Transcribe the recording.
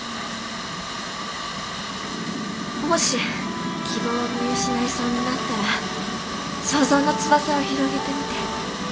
もし希望を見失いそうになったら想像の翼を広げてみて。